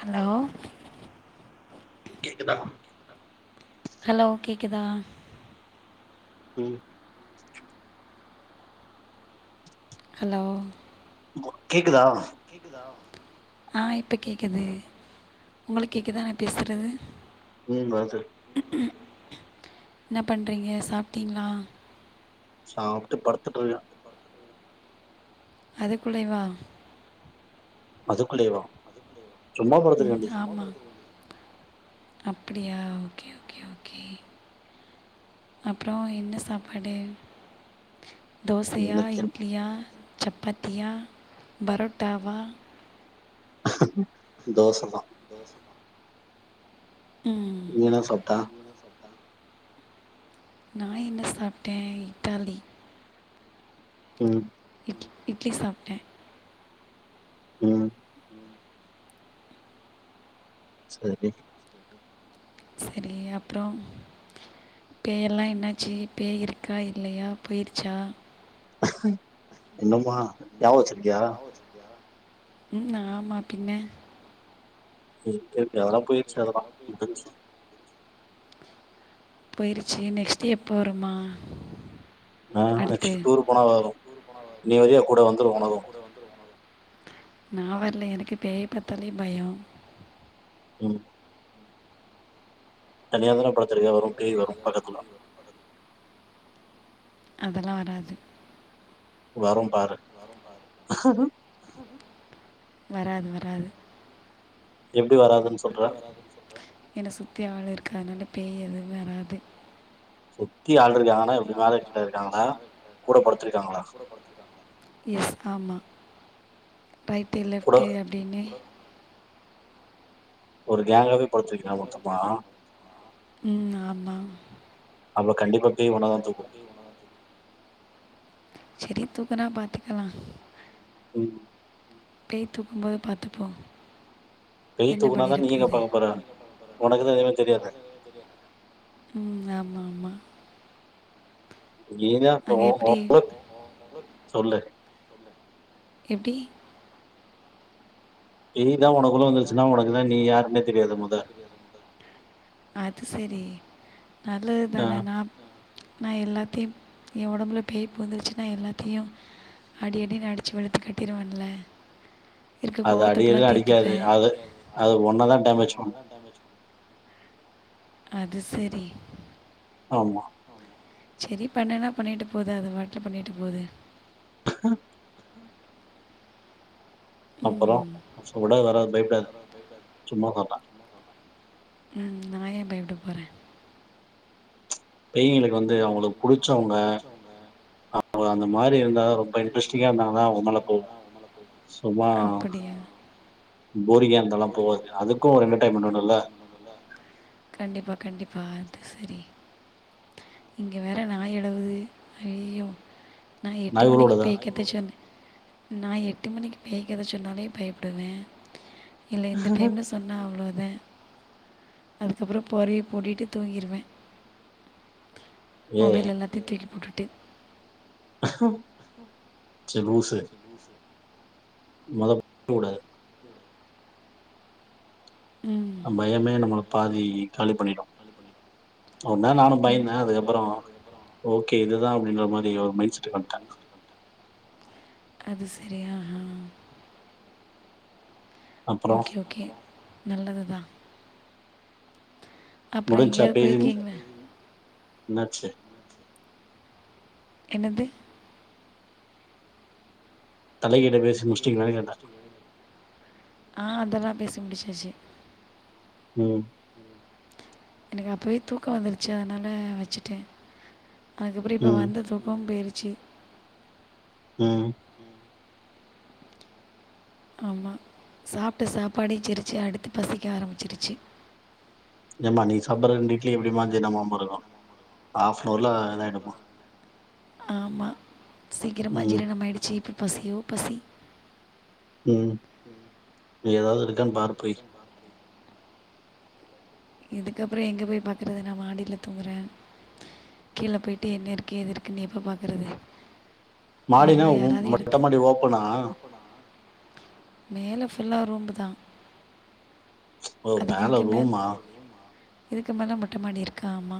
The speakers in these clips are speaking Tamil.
ஹலோ கேக்குதா ஹலோ கேக்குதா ம் ஹலோ கேக்குதா கேக்குதா ஆ இப்ப கேக்குது உங்களுக் கேக்குதா நாப் பேசறது ம் வர்து என்னப் பண்றீங்க சாப்ட்டீங்ளா சாப்ட்டு படுத்துட்ருக்கே அதுக்குள்ளைவா அதுக்குள்ளயேவா? ம் ஆமா. அப்பிடியா ஓகே ஓகே ஓகே. அப்றோ என்ன சாப்பாடு? தோசையா, இட்லியா, சப்பாத்தியா, பரோட்டாவா தோச தா. தோச நீ என்ன சாப்ட. நா என்ன சாப்டே இட்டாலி. ம். இட் இட்லி சாப்ட்டே. ம். சரி. செரி அப்றோ பேயெல்லா என்னாச்சு பேய் இருக்கா இல்லையா போயிருச்சா? என்னமா? ம் ஆமா பின்ன. இப் எப் அதெல்லா போயிர்ச்சு அதெல்லா முடிஞ்ச்சு. போயிருச்சு நெக்ஸ்ட்டு எப்போ வருமா? ஆ நெக்ஸ்ட்டு டூர் போனா வரு. நீ வரியா கூட வந்துரு உனக்கு. நா வர்ல எனக்கு பேய பாத்தாலே பயோ. ம். தனியாதான படுத்துருக்க வரு பேய் வரு பக்கத்ல. அதெல்லா வராது. வரும் பாரு. வராது வராது. எப்டி வராதுன் என்ன சுத்தி ஆள் இருக்காங்கன்னு பேய் எது வராது. சுத்தி ஆள் இருக்காங்க ஆனா எப்டி மேல [unintelligible] இருக்காங்களா கூடப்படுத்திருக்காங்களா? எஸ் ஆமா ரைட்டு லெஃப்ட்டு அப்டின்னு ஒரு கேங்காவே ம் ஆமா. அப்ப கண்டிப்பா பேய் உன்னதா தூக்கு. செரி தூக்குனா பாத்துக்கலா. ம். பேய் தூக்கும்போது பாத்துப்போ. பேய் தூக்குனாதா நீ எங்க பண்ணபோற. உனக்குதா எதுமே தெரியாதே. ம் ஆமா ஆமா. நீதா டோ ஓ [inaudible] சொல்லு எப்டி? பேய்தா உனக்குள்ள வந்துருச்சுனா உனக்குதா நீ யாருன்னே தெரியாதே மொத அது செரி நல்லதுதான நாப் நா எல்லாத்தையு ஏ ஒடம்புல பேய் பூந்துருச்சுனா எல்லாத்தையு அடி அடினு அடிச்சு வெளுத்து கட்டிருவன்ல. அது அடிக்கர்து அடிக்காது அது அது உன்னதா டேமேஜ் பண்ணு. அது செரி ஆமா செரி பண்ணுனா பண்ணிட்டு போது அது வாட்ல பண்ணிட்டு போது அப்பறோ சூடே வராது பயப்படாத சும்மா பாத்தே ம் நா ஏ பயப்பட போறே பேய்களுக்கு வந்து அவுங்களுக்கு புடிச்சவுங்க ஆ அவுங்க அந்த மாரி இருந்தா ரொம்ப இன்ட்ரெஸ்டிங்கா இருந்தா தா உம்மேல போவு சும்மாரானவங்க ஃபோரிங்கா இருந்தாலா போவாது அதுக்கு ஒரு என்டர்டைன்மென்ட் வேணுல்ல கண்டிப்பா கண்டிப்பா அது செரி இங்கே வேற நாய் எழுவுது ஐய்யோ நா எட்டு மணிக்கு பேய்கத தெசோந்தே நா எட்டு மணிக்கு பேய் கத சொன்னாவே பயப்புடுவே இல்ல இந்த டைம்ல சொன்னா அவ்ளோதா அதுக்கப்பறோ ஃபோர்வைய போட்டிட்டு தூங்கிருவே மொபைல் எல்லாத்தையு தூக்கி போட்டுட்டு சே லூசு லூசு மொதப் ஆ பயமே நம்மள பாதி காலி பண்ணிடு ஒரு நாள் நானு பயந்தே அதுக்கப்பறோ ஓகே இதுதா அப்டின்ற மாரி ஒரு மைண்ட் செட்டுக்கு வன்டே அது செரியா ஆ ஆ ஓகே ஓகே நல்லதுதா முடுஞ்சா பேஜிங் என்னாச்சு என்னது தலைகிட்ட பேசி முடிச்சுடிங்களானு கேட்ட ஆ அதல்லா பேசி முடுச்சாச்சு ம் எனக்கு அப்பவே தூக்கோ வந்துருச்சு அதுனால வச்சுட்டே அதுக்கப்பறோ இப்போ வந்த தூக்கமு போய்ருச்சு ம் ஆமா சாப்ட சாப்பாடே ஜெரிச்சு அடுத்து பசிக்க ஆரம்பிச்சிருச்சி ஏம்மா நீ சாப்புர்ற ரெண்டு இட்லி எப்புடிம்மா ஜீர்ணம் ஆவாம இருக்கு ஆஃப்னவர்ல இதாயிடுமா ஆமா சீக்கிரம ஜீரணமாயிடுச்சு இப்ப பசியோ பசி ம் எதாவது இருக்கானு பாரு போய் இதுக்கப்பறோ எங்க போய் பாக்குறது நா மாடில தூங்குறே கீழ பொயிட்டு என்ன இருக்கு ஏது இருக்குனு எப்ப பாக்குறது அதெல்லா யாராவது எடுத்து மேல ஃபுல்லா ரூம்புதா அதுக்கு இதுக்கு மேல இதுக்கு மேல மொட்டை மாடி இருக்கு ஆமா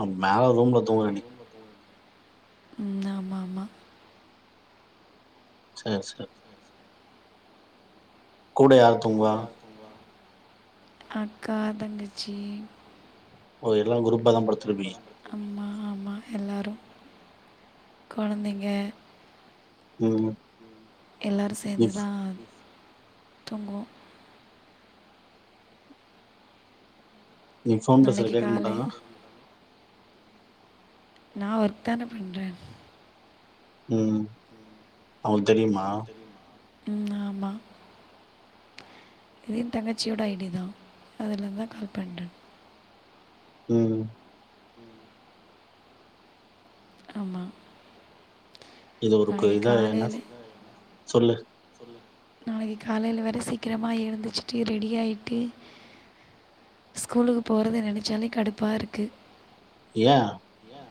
ஆ மேல ரூம்ல ம் ஆமா ஆமா சேரி சேரி கூட யாருத் அக்கா தங்கச்சி ஓ எல்லாரு குரூப்பாதா படுத்துருப்பீங்க அம்மா ஆமாம் எல்லாரு கொழந்தங்க ம் எல்லாரு சேந்து தா தூங்குவோ நீ போன் பேசுறத என்னை கேக்க மாட்டாங்க நா ஒர்க் தான பண்ற ம் அவங்களுக்கு தெரியுமா ம் ஆமா இது எய தங்கச்சியோட ஐடி தா அதுல இருந்துதா கால் பண்ற ம் ஆமா இது ஒருக்கு இதா என்ன சொல்லு நாளைக்கு காலையில வேற சீக்கிரமா எழுந்துச்சிட்டு ரெடி ஆயிட்டு ஸ்கூலுக்கு போறத நினைச்சாலே கடுப்பா இருக்கு எய ஏய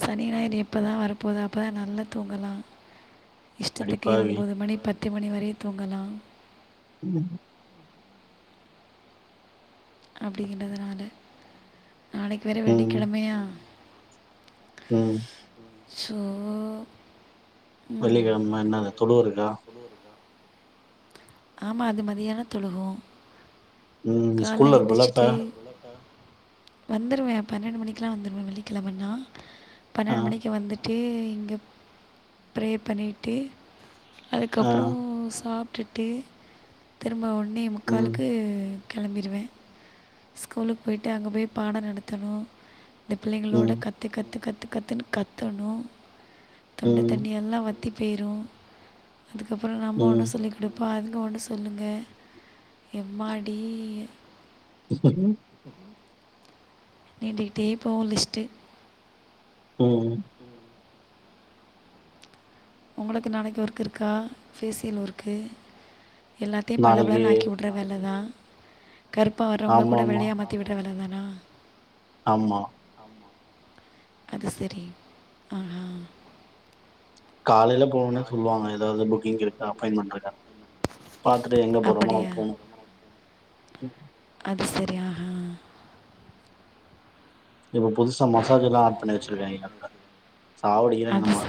சனி ஞாயிறு எப்பதா வரப்போது அப்பதா நல்ல தூங்கலா இஷ்டத்துக்கு ஒம்பது மணி பத்து மணி வரயு தூங்கலா ம் அப்டிங்கிறதுனால நாளைக்கு வேற வெள்ளி கிலமயா ம் சோ வெள்ளி கிழம என்னாது தொழுவரதுருக்கா ஆமா அது மதியான தொழுகுவோ கால்ல எந்துச்சுட்டு வந்துருவ பன்னெண்டு மணிக்குல்லா வந்துருவ வெள்ளிக்கிழமன்னா பன்னெண்டு மணிக்கு வந்துட்டு விட்டு இங்க பிரே பண்ணிட்டு அதுக்கப்பற சாப்புட்டுட்டு திரும்ப ஒனே முக்காளுக்கு கிளம்பிடுவ ஸ்கூலுக்கு போய்ட்டு அங்க போய் பாட நடத்தணு இந்த பிள்ளைங்களோட கத்து கத்து கத்து கத்துன்னு கத்தணு தொண்ட தண்ணி எல்லா வத்தி போயிரும் அதுக்கப்பற நம்ம ஒன்னு சொல்லிக் கொடுப்போ அதுங்க ஒன்னு சொல்லுங்க எம்மாடி ம் நீண்டுக்கிட்டே போவு லிஸ்ட்டு ம் உங்களுக்கு நாளைக்கு ஒர்க் இருக்கா பேஃபேசியல் ஒர்க்கு எல்லாத்தையு பலபழ ஆக்கி வுட்ட விற வேல தா கருப்பா வர்றவங்கள கூட வெள்ளயா மாற்றி விட்டுற வேல தானா ஆமா அது செரி ஆஹா காலையில போனோனே சொல்லுவாங்க ஏதாவது புக்கிங் இருக்கா அப்பாயிண்மெட் இருக்கா பாத்துட்டு எங்க போறோமா அங்க போன்னு அது சேரி ஆஹா இப்ப புதுசா மசாஜ் எல்லா ஆட் பண்ணி வெச்சிருக்காங்க சாவடிக்குறாங்க நம்மல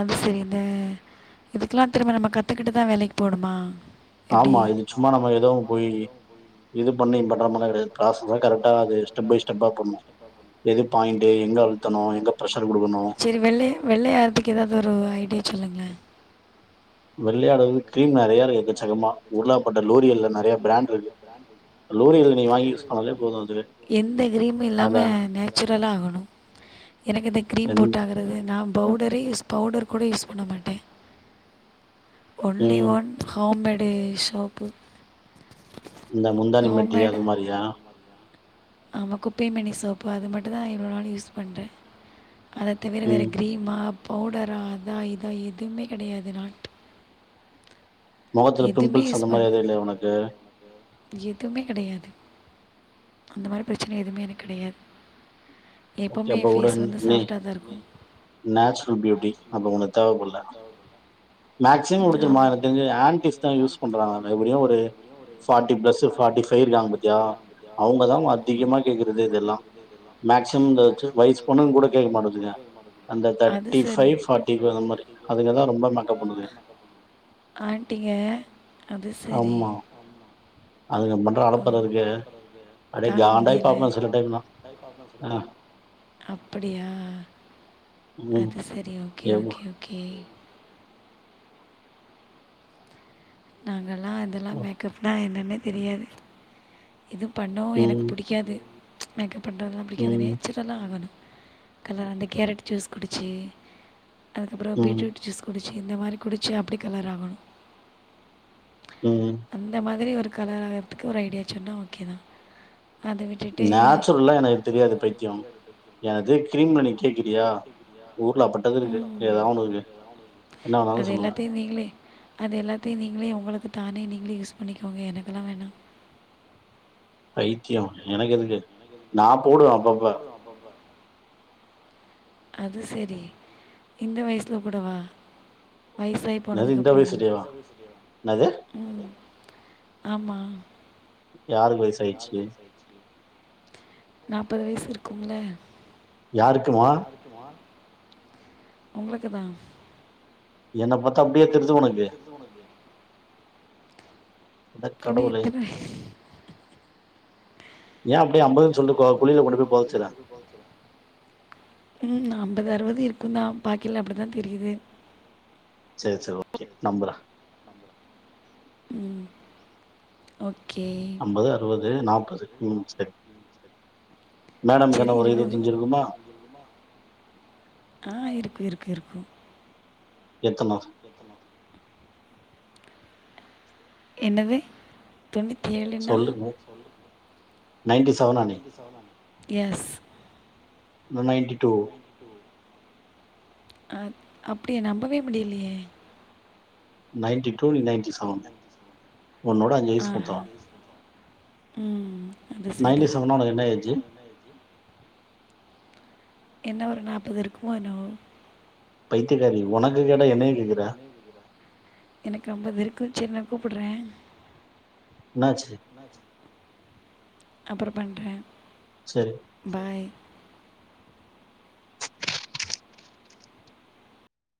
அது சேரி இந்த இதுக்கெலா திரும்ப நம்ம கத்துக்கிட்டு தா வேலைக்கு போனுமா ஆமா இது சும்மா நம்ம ஏதோ ஒண்ணு போயி இது பண்ணி பண்ற மார்ல்லா கெடயாது காசு தா கரெக்டா அது ஸ்டெப் பை ஸ்டெப்பா பண்ணு எது பாயிண்ட்டு எங்க அழுத்தணு எங்க பிரஷர் குடுக்கணு வெள்ள‌ வெள்ளயார்துக்கு எதாவ்து ஒரு ஐடியா சொல்லுங்ளே வெள்ளயாறதுக்கு கிரீம் நறைய இருக்கு எக்கசக்கமா ஊர்லாப்பட்ட லோரியல்ல நறைய பிராண்ட்ருக்கு பிராண்ட்டு லோரியல நீங்க வாங்கி யூஸ் பண்ணாலே போது அதுவே அதுல எனக்கு இந்த கிரீம் போட்டாகுறது நா பவுடரே யூஸ் பவ்டர் கூட யூஸ் பண்ண மாட்டே ஒன்லி ஒன் ஹோம்மேடு ஷோப்பு இந்த முந்தானிமெட்டி அது மாரியா ஆமா குப்பைமேனி சோப்பு அது மட்டு தா நா இவ்ளோ நாள் யூஸ் பண்றே அத தவிர வேற கிரீ மா பவுடரா அதா இதா எதுமே கெடயாது நாட் மொகத்துல பிம்பிள்ஸ் அந்த மாரி எதுவு இல்லயா ஒனக்கு எதுமே கெடயாது அந்த மாரி பிரச்சன எதுமே எனக் கெடயாது எப்போமே எ ஃபேஸ் வந்து சாஃப்டா தாருக்கு நேச்சுரல் பியூட்டி அப்ப உங்ளுக்கு தேவப்பல்ல மேக்சிமம் எப்டி தெரிமா எனக்கு தெரிஞ்சு ஆன்டிஸ் தா யூஸ் பண்றாங்களாமே எப்டியு ஒரு ஃபார்ட்டி ப்ளஸ்ஸு ஃபார்ட்டி ஃபைவ் இருக்காங்க பா த்தியா அவுங்கதா அதிகமா கேக்குறதே இதெல்லா மேக்சிமம் இந்த சில் வய்சு பொண்ணுங் கூட கேக்க மாட்டுதுங்க அந்த தேர்டி ஃபைவ் ஃபார்டி க்கு அந்த மாரி அதுங்கதா ரொம்ப மேக்கப் பண்ணுதுங்க ஆன்ட்டிங்க அது சேரி ம் தாங்க முடில்ல அப்படியா அது செரி ஓகே ஓகே ஓகே நாங்கள்லா அதுல்லா மேக்கப்னா என்னன்னே தெரியாது எது பண்ணு எனக்கு புடிக்காது மேக்கப் பண்றதுலா புடிக்காது நேச்சுர ல்லா ஆகணு கலரா அந்த கேரட் ஜூஸ் குடிச்சு அதுக்கப்றோ பீட்ரூட் ஜூஸ் குடிச்சு இந்த மாரி குடிச்சு அப்டி கலர் ஆகணு அந்த மாதிரி ஒரு கலர் ஆகறதுக்கு ஒரு ஐடியா சொன்னா ஓகே தா அத விட்டுட்டு யாது கிரீம் பண்ணி கேக்குறியா ஊர்லாப்பட்டது இருக்கு எதாவொண்ணு இருக்கு அது எல்லாத்தையு நீங்ளே அது எல்லாத்தையு நீங்ளே ஒங்களுக்கு தானே நீங்ளே யூஸ் பண்ணிக்கோங்க எனக்கல்லா வேணா பைத்தியோ எனக்கெதுக்கு நா போடுவே அப்பப்ப அது செரி இந்த வய்சுல கூடவா வய்சாயி போனதுக்கப்றமா ம் ஆமா யாருக்கு வய்சாயிர்ச்சு நாப்பது வய்சு இருக்கும்ல யாருக்குமா ஒங்ளுக்கு தா என்ன பாத் என்ன பாத்தா அப்டியா தெர்து ஒனக்கு [unintelligible] இத்தன ஏ அப்டியே அம்பதுனு சொல்ட்டுக்கோ குழில கொண்டு போய் பொதச்சுரே போய்‌ பொதச்சுரு ம் அம்பது அறுவது இருக்கு தா பாக்கைல அப்டிதா தெரிது சேரி சேரி ஓகே நம்புறே ம் ஓகே அம்பது அறுவது நாப்பது ம் சேரி மேடம்க்கு என்ன ஒரு இருவத்தஞ்சு இருக்குமா ஆ இருக்கு இருக்கு இருக்கு எத்தனோ எத்தனோ என்னது தொண்ணுத்தி ஏழுனா நைன்டி செவன் எஸ் நா நைன்டி டூ அ அப்டியா நம்பவே முடியலியே நைன்டி டூ நீ நைன்ட்டி சவனுங்க உன்னோட அஞ்சு வயசு மூத்தவ நைன்டி செவன்னா உனக்கு என்ன ஏஜீ என்ன ஒரு நாப்பது இருக்குமோ என்னவோ பைத்தியக்காரி உனக்கு கேட்டா என்னய கேக்குற எனக்கு அம்பது இருக்கு சேர் நா கூப்புட்றே இன்னாச்சு அப்பறோ பண்றே செரி பாய்